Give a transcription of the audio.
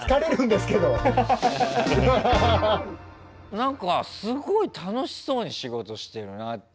なんかすごい楽しそうに仕事してるなって。